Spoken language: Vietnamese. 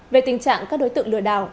về tình trạng các đối tượng lừa đảo